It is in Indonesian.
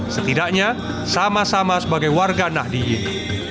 setidaknya sama sama sebagai warga nahdi ini